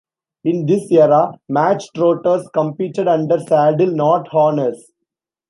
In this era, match-trotters competed under saddle, not harness.